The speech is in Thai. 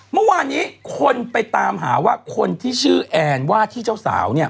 เมื่อวานนี้คนไปตามหาว่าคนที่ชื่อแอนว่าที่เจ้าสาวเนี่ย